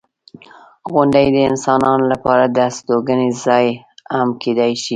• غونډۍ د انسانانو لپاره د استوګنې ځای هم کیدای شي.